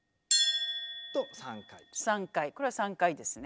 ３回これは３回ですね。